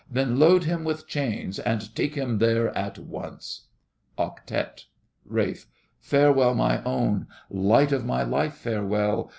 Then load him with chains and take him there at once! OCTETTE RALPH. Farewell, my own, Light of my life, farewell!